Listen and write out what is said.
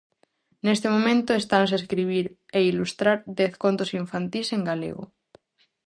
Neste momento, estanse a escribir e ilustrar dez contos infantís en galego.